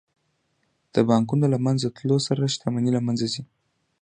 د بانکونو له منځه تلو سره شتمني له منځه ځي